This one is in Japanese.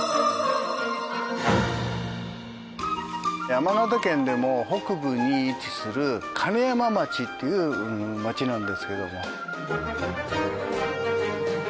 山形県でも北部に位置する金山町っていう町なんですけども。